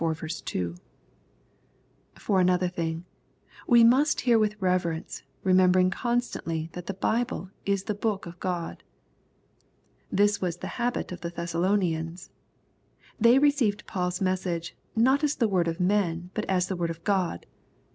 — ^For another thing, we must hear with reverence, remembering constantly that the Bible is the book of God. This was the habit of the Thessalonians. They received Paul's message, "not as the word of men, but the word of God."